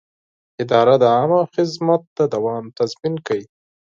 اداره د عامه خدمت د دوام تضمین کوي.